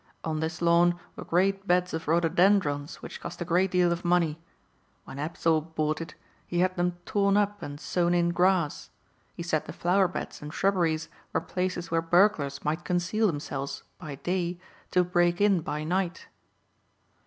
On this lawn were great beds of rhododendrons which cost a great deal of money. When Apthorpe bought it he had them torn up and sown in grass. He said the flower beds and shrubberies were places where burglars might conceal themselves by day to break in by night."